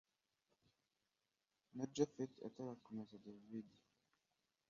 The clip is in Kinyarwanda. na japhet atarakomeza david